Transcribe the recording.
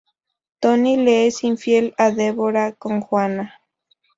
Toni le es infiel a Deborah, con Juana.